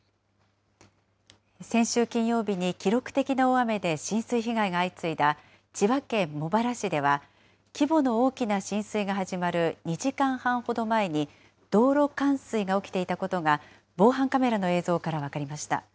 先週金曜日に記録的な大雨で浸水被害が相次いだ千葉県茂原市では、規模の大きな浸水が始まる２時間半ほど前に、道路冠水が起きていたことが、防犯カメラの映像から分かりました。